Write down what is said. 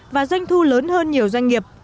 và doanh thu lớn hơn nhiều doanh nghiệp